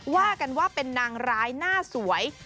ว่ากันว่าเป็นนางร้ายหน้าสวย